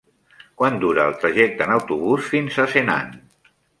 Quant dura el trajecte en autobús fins a Senan?